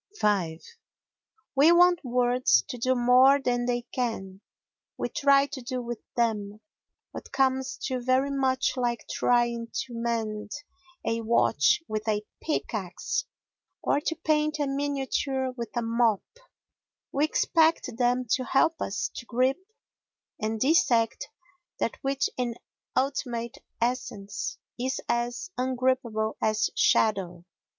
v We want words to do more than they can. We try to do with them what comes to very much like trying to mend a watch with a pickaxe or to paint a miniature with a mop; we expect them to help us to grip and dissect that which in ultimate essence is as ungrippable as shadow.